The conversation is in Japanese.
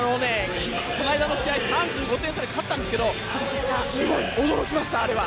こないだの試合３５点差で勝ったんですけどすごい驚きました、あれは。